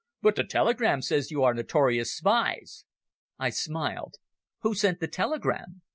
"But the telegram says you are notorious spies!" I smiled. "Who sent the telegram?"